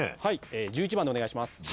１１番でお願いします。